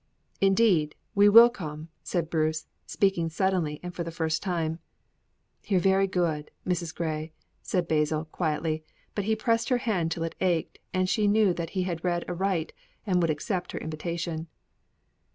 "Indeed, we will come," said Bruce, speaking suddenly and for the first time. "You're very good, Mrs. Grey," said Basil, quietly, but he pressed her hand till it ached, and she knew that he had read aright and would accept her invitation.